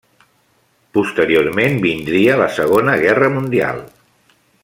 Posteriorment, vindria la segona guerra mundial.